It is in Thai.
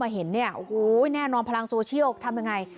โอ้โหแน่นอนพลังโซเชียลทำยังไง